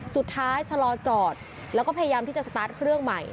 สุดท้ายฉลองจอดแล้วก็พยายามที่จะตั้งเครื่องใหม่